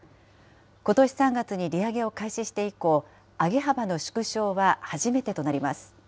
ことし３月に利上げを開始して以降、上げ幅の縮小は初めてとなります。